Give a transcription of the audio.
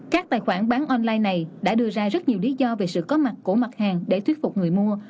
các tài khoản bán online này đã đưa ra rất nhiều lý do về sự có mặt của mặt hàng để thuyết phục người mua